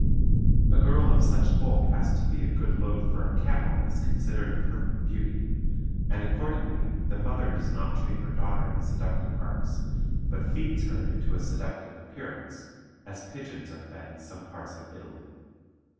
A girl of such bulk as to be a good load for a camel is considered a perfect beauty, and, accordingly, the mother does not train her daughter in seductive arts, but feeds her into a seductive appearance, as pigeons are fed in some parts of Italy.